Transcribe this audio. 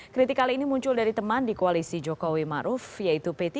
kritik kali ini muncul dari teman di koalisi jokowi maruf yaitu p tiga